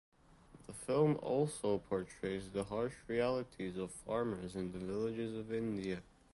The film also portrays the harsh realities of farmers in the villages of India.